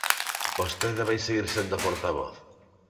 ¿Vostede vai seguir sendo portavoz?